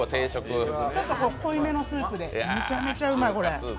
ちょっと濃いめのスープでめちゃくちゃうまい。